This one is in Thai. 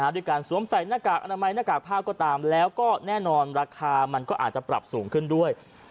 ด้วยการสวมใส่หน้ากากอนามัยหน้ากากผ้าก็ตามแล้วก็แน่นอนราคามันก็อาจจะปรับสูงขึ้นด้วย